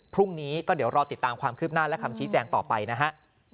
พรุ่งนี้ก็เดี๋ยวรอติดตามความคืบหน้าและคำชี้แจงต่อไปนะฮะ